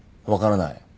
「分からない」